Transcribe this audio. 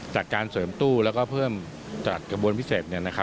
จากการเสริมตู้แล้วก็เพิ่มจัดกระบวนพิเศษ